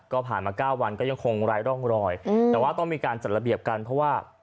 ก็ผ่านมา๙วันก็ยังคงไร้ร่องรอยแต่ว่าต้องมีการจัดระเบียบกันเพราะว่า